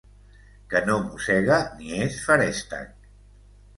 Que no mossega ni és feréstec.